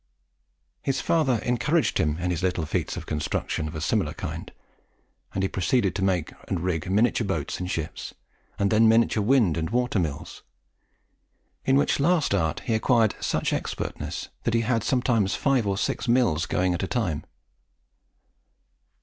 His father encouraged him in his little feats of construction of a similar kind, and he proceeded to make and rig miniature boats and ships, and then miniature wind and water mills, in which last art he acquired such expertness that he had sometimes five or six mills going at a time.